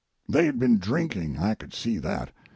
They had been drinking, I could see that.